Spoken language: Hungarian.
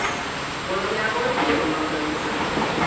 Bolognából Lyonba költözött.